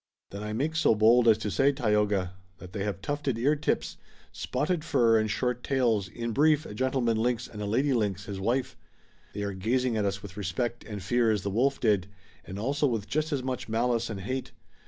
"Then I make so bold as to say, Tayoga, that they have tufted ear tips, spotted fur, and short tails, in brief a gentleman lynx and a lady lynx, his wife. They are gazing at us with respect and fear as the wolf did, and also with just as much malice and hate.